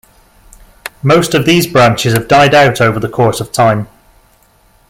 Most of these branches have died out over the course of time.